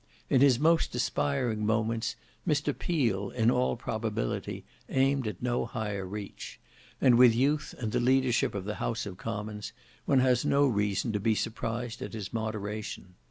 In his most aspiring moments, Mr Peel in all probability aimed at no higher reach; and with youth and the leadership of the House of Commons, one has no reason to be surprised at his moderation.